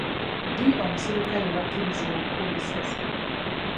Ddi omuserikale lwakkirizibwa okukuba essasi?